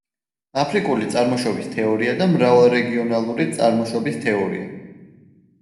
აფრიკული წარმოშობის თეორია და მრავალრეგიონალური წარმოშობის თეორია.